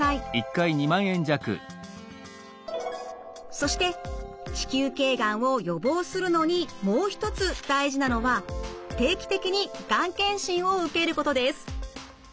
そして子宮頸がんを予防するのにもう一つ大事なのは定期的にがん検診を受けることです。